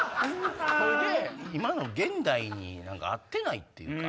今の現代に合ってないっていうか。